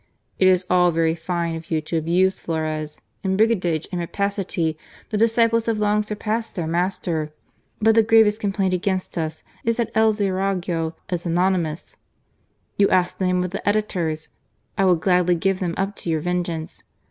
It is all very fine of you to abuse Flores ; in brigandage and rapacity the disciples have long surpassed their master! But the gravest complaint against us is that El Zurriago is " anonymous." You ask the names of the editors. I will gladly give them up to your vengeance.